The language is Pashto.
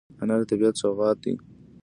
انار د طبیعت سوغات دی.